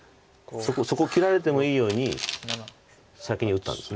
そこ切られてもいいように先に打ったんです。